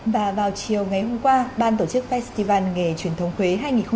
và vào chiều ngày hôm qua ban tổ chức festival nghề truyền thống huế hai nghìn một mươi chín